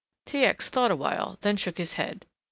T. X. thought awhile, then shook his head.